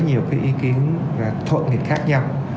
nhiều cái ý kiến thuận nghịch khác nhau